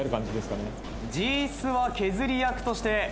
じーすは削り役として。